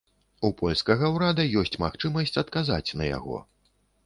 У польскага ўрада ёсць магчымасць адказаць на яго.